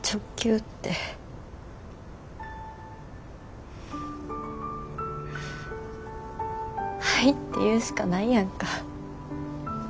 「はい」って言うしかないやんか。